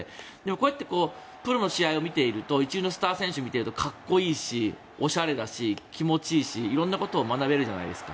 こうやってプロの試合を見ていると一流のスター選手を見ると格好いいし、おしゃれだし気持ちいいし、いろんなことを学べるじゃないですか。